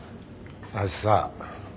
あいつさ